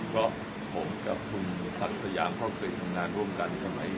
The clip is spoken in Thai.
ก็ผมกับคุณศักดิ์สยามเข้าคลิกทำงานร่วมกัน